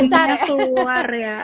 nanti glowingnya keluar ya